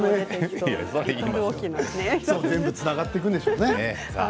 全部つながっていくんでしょうね。